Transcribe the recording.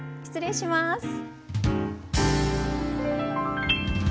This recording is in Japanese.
失礼します。